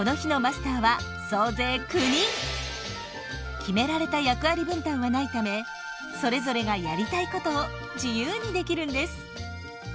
決められた役割分担はないためそれぞれがやりたいことを自由にできるんです。